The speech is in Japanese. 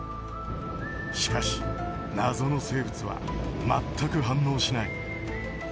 しかし謎の生物は全く反応しない。